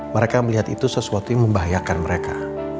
mereka melihat itu sesuatu yang membahayakan mereka